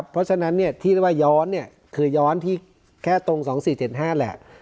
เพราะฉะนั้นที่เรียกว่าย้อนเนี่ยคือย้อนที่แค่ตรง๒๔๗๕แหละ